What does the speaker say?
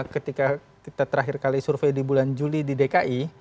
ketika kita terakhir kali survei di bulan juli di dki